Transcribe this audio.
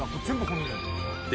で